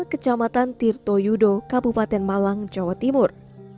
kecamatan tirto yudo kabupaten malang jawa timur